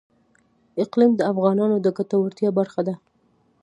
اقلیم د افغانانو د ګټورتیا برخه ده.